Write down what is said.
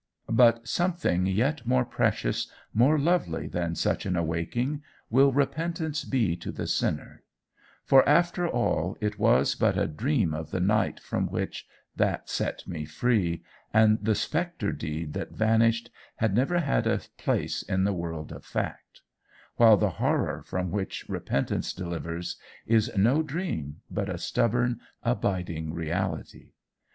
"But something yet more precious, more lovely than such an awaking, will repentance be to the sinner; for after all it was but a dream of the night from which that set me free, and the spectre deed that vanished had never had a place in the world of fact; while the horror from which repentance delivers, is no dream, but a stubborn abiding reality.